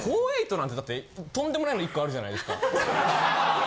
４８なんてだってとんでもないの１個あるじゃないですか。